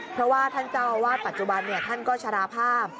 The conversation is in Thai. เพราะว่าท่านเจ้าอาวาสปัจจุบันท่านก็ชะลาภาพ